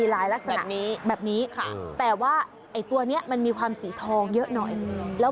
ไอ้ภาพแบบนี้เป็นตัวเลขขึ้นมาใจครองก็ค่อยดี